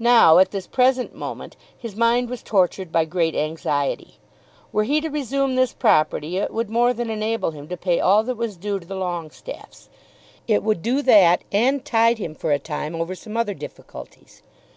Now, at this present moment, his mind was tortured by great anxiety. Were he to resume this property it would more than enable him to pay all that was due to the Longestaffes. It would do that and tide him for a time over some other difficulties.